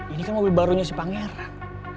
ini kan mobil barunya si pangeran